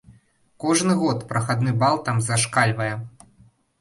Кожны год прахадны бал там зашкальвае.